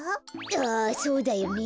ああそうだよねえ。